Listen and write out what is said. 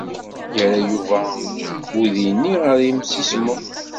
Yerra Yuba udi-nni ɣer yimsismeḍ?